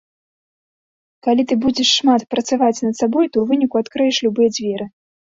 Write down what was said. Калі ты будзеш шмат працаваць над сабой, то ў выніку адкрыеш любыя дзверы.